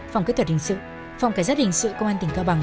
phòng kế tuật hình sự phòng cái giác hình sự công an tỉnh cao bằng